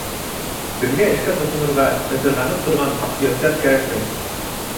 Беҙгә эшкә тотонорға ытырғанып торған аҡһөйәктәр кәрәкмәй.